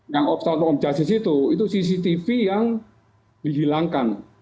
yang obstruktif objaktis itu itu cctv yang dihilangkan